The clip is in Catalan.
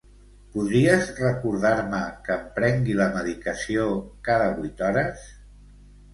Podries recordar-me que em prengui la medicació cada vuit hores?